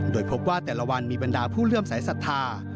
โดยพบว่าแต่ละวันมีบรรดาผู้เลื่อมสายศรัทธา